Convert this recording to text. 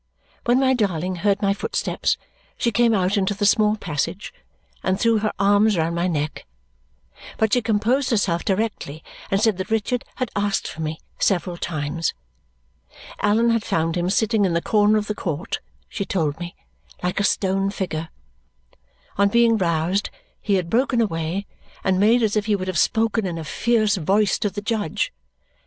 When my darling heard my footsteps, she came out into the small passage and threw her arms round my neck, but she composed herself directly and said that Richard had asked for me several times. Allan had found him sitting in the corner of the court, she told me, like a stone figure. On being roused, he had broken away and made as if he would have spoken in a fierce voice to the judge.